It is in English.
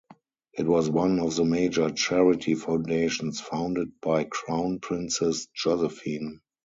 It was one of the major charity foundations founded by Crown Princess Josephine.